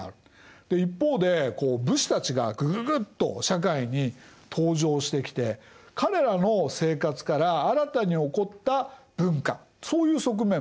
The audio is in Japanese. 一方でこう武士たちがぐぐぐっと社会に登場してきて彼らの生活から新たに興った文化そういう側面もある。